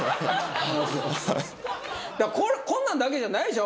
こんなんだけじゃないでしょ？